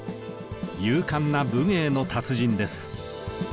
勇敢な武芸の達人です。